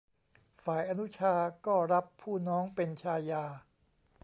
ฝ่ายอนุชาก็รับผู้น้องเป็นชายา